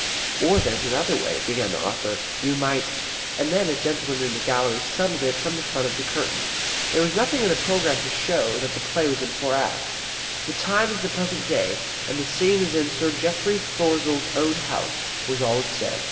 "Or there's another way," began the author. "We might " And then a gentleman in the gallery settled it from the front of the curtain. There was nothing in the programme to show that the play was in four Acts. "The Time is the present day and the Scene is in Sir Geoffrey Throssell's town house," was all it said.